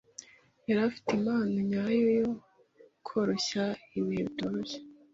Yari afite impano nyayo yo koroshya ibihe bitoroshye.